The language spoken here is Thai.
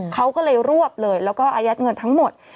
เขาก็เลยรวบเลยแล้วก็อายัดเงินทั้งหมด